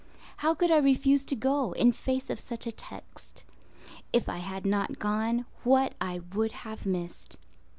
How could I refuse to go, in face of such a text? If I had not gone, what I would have missed!